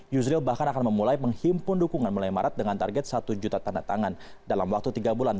yusril bahkan akan memulai menghimpun dukungan mulai maret dengan target satu juta tanda tangan dalam waktu tiga bulan